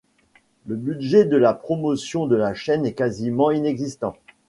Le budget de promotion de la chaîne est quasiment inexistant.